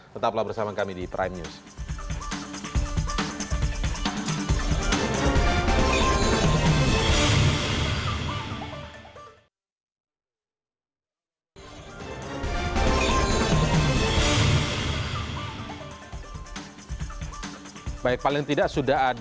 tetaplah bersama kami di prime news